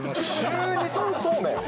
週２、３そうめん。